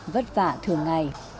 vất vả thường ngày